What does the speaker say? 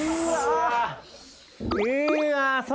うわ。